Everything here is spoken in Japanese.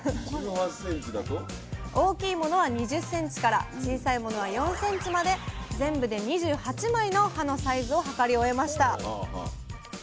大きいものは２０ｃｍから小さいものは４ｃｍまで全部で２８枚の葉のサイズを測り終えました。